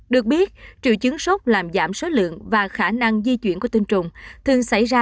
được biết triệu chứng sốt làm giảm số lượng và khả năng di chuyển của tinh trùng thường xảy ra